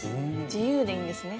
自由でいいんですね。